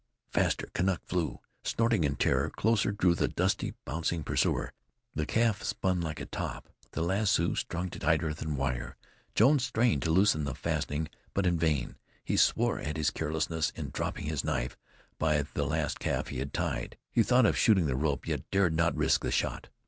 Faster Kentuck flew, snorting in terror; closer drew the dusty, bouncing pursuer; the calf spun like a top; the lasso strung tighter than wire. Jones strained to loosen the fastening, but in vain. He swore at his carelessness in dropping his knife by the last calf he had tied. He thought of shooting the rope, yet dared not risk the shot.